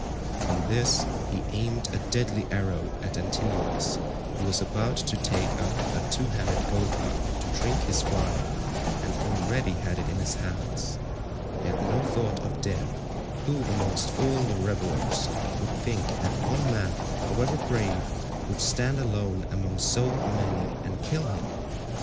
On this he aimed a deadly arrow at Antinous, who was about to take up a two handled gold cup to drink his wine and already had it in his hands. He had no thought of death—who amongst all the revellers would think that one man, however brave, would stand alone among so many and kill him?